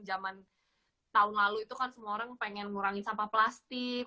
zaman tahun lalu itu kan semua orang pengen ngurangin sampah plastik